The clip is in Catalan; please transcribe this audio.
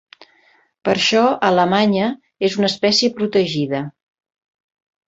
Per això, a Alemanya és una espècie protegida.